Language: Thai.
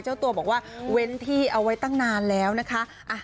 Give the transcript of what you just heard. เจ้าตัวบอกว่าเว้นที่เอาไว้ตั้งนานแล้วนะคะ